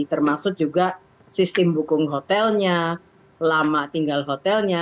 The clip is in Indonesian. termasuk juga sistem hukum hotelnya lama tinggal hotelnya